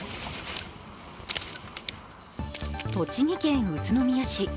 栃木県宇都宮市。